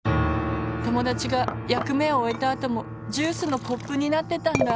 ともだちがやくめをおえたあともジュースのコップになってたんだ。